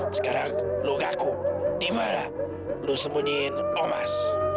sekarang lu ngaku dimana lu sembunyiin omas